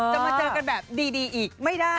มาเจอกันแบบดีอีกไม่ได้